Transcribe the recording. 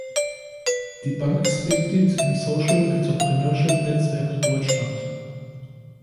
Die Bank ist Mitglied im Social Entrepreneurship Netzwerk Deutschland.